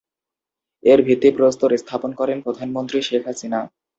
এর ভিত্তিপ্রস্তর স্থাপন করেন প্রধানমন্ত্রী শেখ হাসিনা।